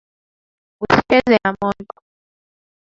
Usicheze na moto.